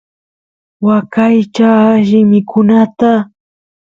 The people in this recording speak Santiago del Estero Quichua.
waqaychay alli mikunata